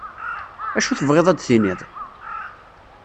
Acu tebɣiḍ ad d-tiniḍ?